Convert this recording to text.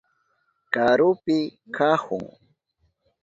Karupi kahun.